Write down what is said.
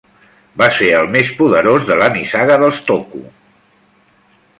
Va ser el més poderós de la nissaga dels Tocco.